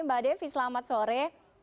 mbak devi selamat sore